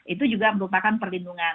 itu juga merupakan perlindungan